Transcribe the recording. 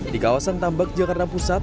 di kawasan tambak jakarta pusat